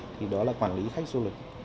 thì đó là quản lý khách du lịch